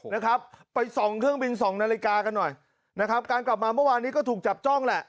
นะครับไปส่องเครื่องบินสองนาฬิกากันหน่อยนะครับการกลับมาเมื่อวานนี้ก็ถูกจับจ้องแหละ